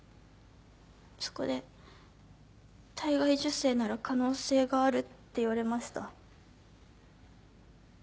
そこで体外受精なら可能性があるって言われました。